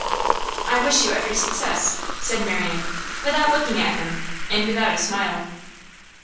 'I wish you every success,' said Marian, without looking at him, and without a smile.